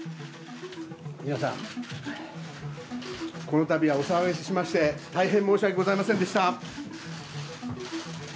皆さん、このたびはお騒がせしまして、大変申し訳ございませんでした。